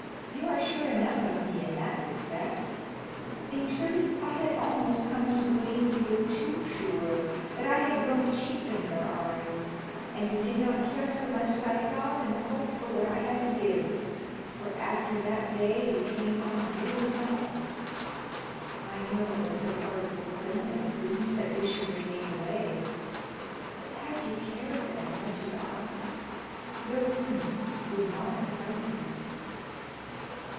You are sure enough of me in that respect. In truth, I had almost come to believe you were too sure, that I had grown cheap in your eyes, and you did not care so much as I thought and hoped for what I had to give, for after that day you came not near me at all. I know it was the part of wisdom and prudence that you should remain away; but had you cared as much as I, your prudence would not have held you."